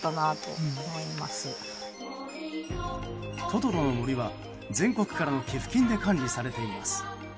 トトロの森は、全国からの寄付金で管理されています。